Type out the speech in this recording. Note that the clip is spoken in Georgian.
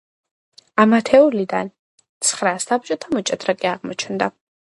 ამ ათეულიდან ცხრა საბჭოთა მოჭადრაკე აღმოჩნდა.